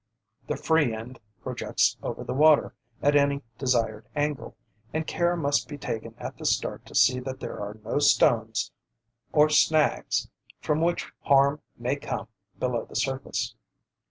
The free end projects over the water at any desired angle, and care must be taken at the start to see that there are no stones or snags from which harm may come below the surface.